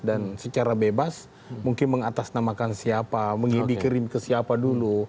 dan secara bebas mungkin mengatasnamakan siapa mengibikirim ke siapa dulu